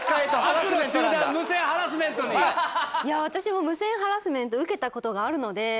私も無線ハラスメント受けた事があるので。